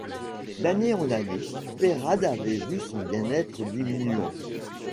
D’année en année, Peyrade avait vu son bien-être diminuant.